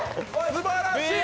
すばらしい！